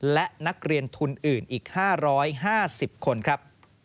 และนักเรียนทุนอื่นอีก๕๕๐คนครับ